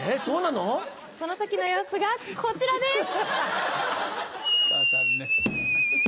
その時の様子がこちらです！